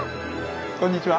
こんにちは！